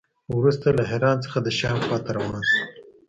وروسته له حران څخه د شام خوا ته روان شو.